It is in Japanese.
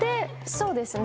そうですね。